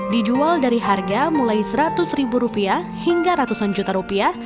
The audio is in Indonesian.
dijual dari harga mulai seratus ribu rupiah hingga ratusan juta rupiah